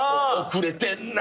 遅れてんな。